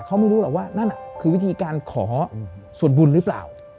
เขาไม่รู้หรอกว่านั่นคือวิธีการขอส่วนบุญหรือเปล่า